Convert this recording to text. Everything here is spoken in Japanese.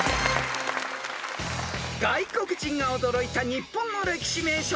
［外国人が驚いた日本の歴史名所